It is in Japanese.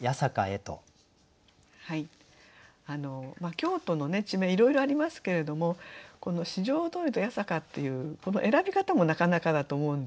京都の地名いろいろありますけれどもこの「四条通り」と「八坂」っていうこの選び方もなかなかだと思うんですね。